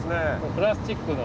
プラスチックの。